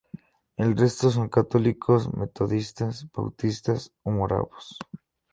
El resto son católicos, metodistas, bautistas o moravos.